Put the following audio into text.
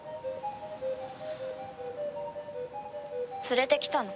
連れてきたの？